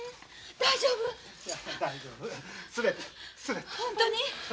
大丈夫や。